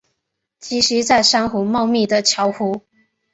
栖息在珊瑚茂密的礁湖。